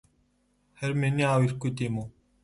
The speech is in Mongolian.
Харин миний аав ирэхгүй тийм үү?